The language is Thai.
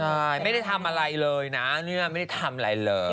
ใช่ไม่ได้ทำอะไรเลยนะเนี่ยไม่ได้ทำอะไรเลย